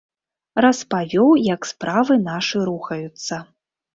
Распавёў, як справы нашы рухаюцца.